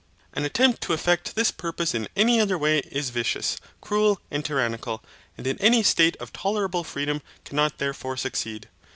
An attempt to effect this purpose in any other way is vicious, cruel, and tyrannical, and in any state of tolerable freedom cannot therefore succeed.